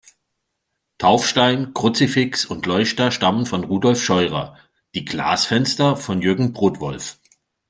Taufstein, Kruzifix und Leuchter stammen von Rudolf Scheurer, die Glasfenster von Jürgen Brodwolf.